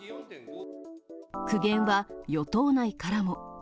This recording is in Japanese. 苦言は与党内からも。